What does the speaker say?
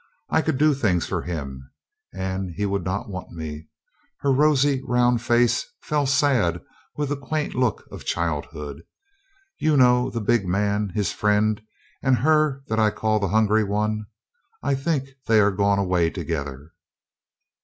I could do things for him. And he would not want me." Her rosy, round face fell sad with a. quaint look of childhood. "You know the big man, his friend, and her that I call the hungry one? I think they are gone away together."